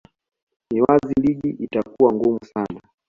ni wazi ligi itakuwa ngumu sana